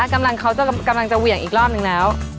คำลังเขากำลังจะเหวี่ยงอีกรอบหนึ่งแล้ว